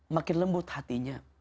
makin lembut hatinya